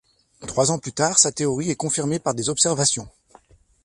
Trois ans plus tard, sa théorie est confirmée par des observations.